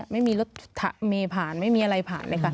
ไม่มีรถเมทผ่านไม่มีอะไรผ่าน